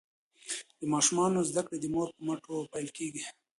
د ماشومانو زده کړې د مور په مټو پیل کیږي.